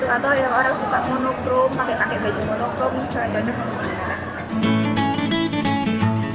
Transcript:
atau yang orang suka monochrome pakai pakai baju monochrome